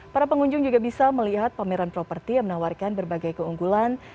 para pengunjung juga bisa melihat pameran properti yang menawarkan berbagai keunggulan